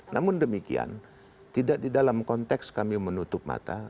namun demikian tidak di dalam konteks kami menutup mata